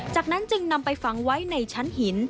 จากนั้นจึงนำไปฝังไว้ในชั้นหิน